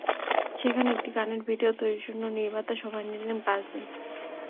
সেখানে একটি গানের ভিডিও তৈরির জন্য নির্মাতা সময় নিলেন পাঁচ দিন।